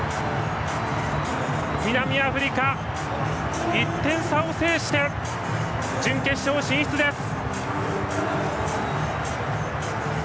南アフリカ、１点差を制して準決勝進出です。